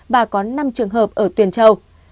và có năm trường hợp ở tuyền châu